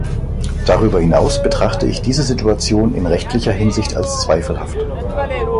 Darüber hinaus betrachte ich diese Situation in rechtlicher Hinsicht als zweifelhaft.